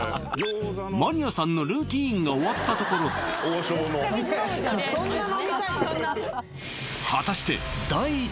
マニアさんのルーティンが終わったところで王将のそんな飲みたい？